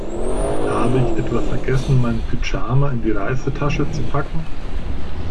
Habe ich etwa vergessen, meinen Pyjama in die Reisetasche zu packen?